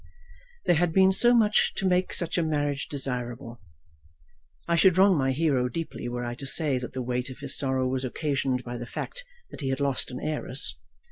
There had been so much to make such a marriage desirable! I should wrong my hero deeply were I to say that the weight of his sorrow was occasioned by the fact that he had lost an heiress.